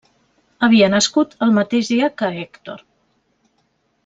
Havia nascut el mateix dia que Hèctor.